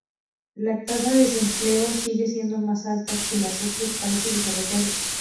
La tasa de desempleo sigue siendo más alta que la de otros países desarrollados.